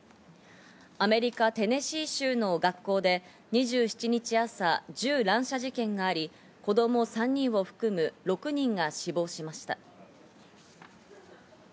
アメリカ・テネシー州の学校で２７日朝、銃乱射事件があり、子供３人を含む６人が死亡しました。